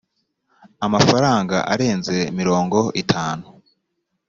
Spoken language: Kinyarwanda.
amafaranga arenze mirongo itanu